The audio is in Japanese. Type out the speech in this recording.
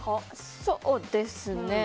そうですね。